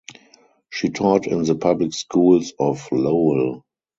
She taught in the public schools of Lowell.